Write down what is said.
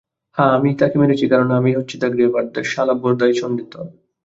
হ্যাঁ, আমিই তাকে মেরেছি কারণ আমিই হচ্ছি দ্য গ্র্যাবার, শালা ভোদাইচন্দ্রের দল।